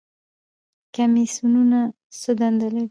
کمیسیونونه څه دنده لري؟